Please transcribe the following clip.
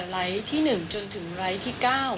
รไลธิ๑จนถึงรไลธิ๙